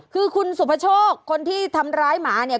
คือคุณสุภโชคคนที่ทำร้ายหมาเนี่ย